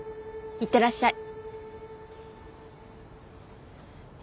いってらっしゃい。